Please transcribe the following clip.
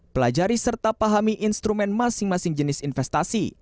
pelajari serta pahami instrumen masing masing jenis investasi